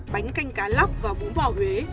bánh canh cá lóc và bún bò huế